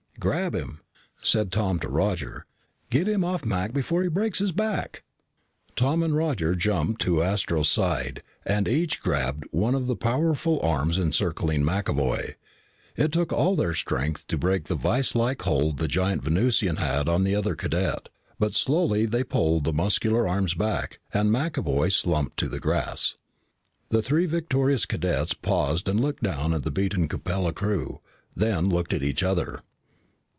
"Grab him," said Tom to Roger. "Get him off Mac before he breaks his back." Tom and Roger jumped to Astro's side and each grabbed one of the powerful arms encircling McAvoy. It took all their strength to break the viselike hold the giant Venusian had on the other cadet, but slowly they pulled the muscular arms back and McAvoy slumped to the grass. The three victorious cadets paused and looked down at the beaten Capella crew, then looked at each other.